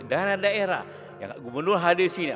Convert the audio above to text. daerah daerah yang gubernur hadir sini